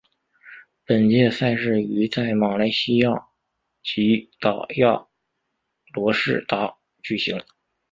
本届赛事于在马来西亚吉打亚罗士打举行。